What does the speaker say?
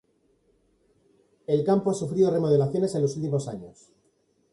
El campo ha sufrido varias remodelaciones en los últimos años.